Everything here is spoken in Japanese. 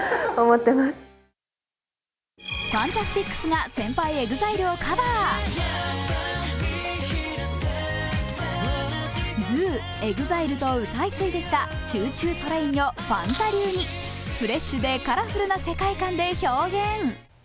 ＦＡＮＴＡＳＴＩＣＳが先輩ＥＸＩＬＥをカバーＺＯＯ、ＥＸＩＬＥと歌い継いできた「ＣｈｏｏＣｈｏｏＴＲＡＩＮ」をファンタ流に、フレッシュでカラフルな世界観で表現。